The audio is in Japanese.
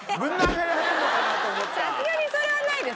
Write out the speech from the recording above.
さすがにそれはないです。